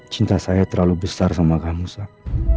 cinta saya terlalu besar sama kamu sak